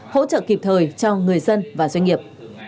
hỗ trợ kịp thời cho người dân và doanh nghiệp